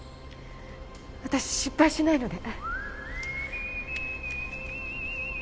私失敗しないので。